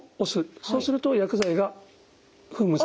そうすると薬剤が噴霧される。